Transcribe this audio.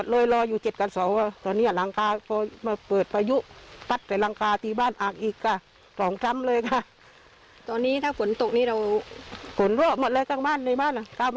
ดินชุดตลิ่งหายต้นไม้ล้ม